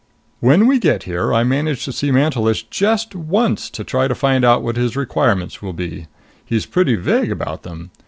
"When we get here, I manage to see Mantelish just once to try to find out what his requirements will be. He's pretty vague about them.